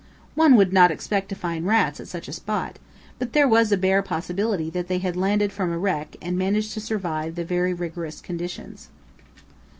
One would not expect to find rats at such a spot, but there was a bare possibility that they had landed from a wreck and managed to survive the very rigorous conditions.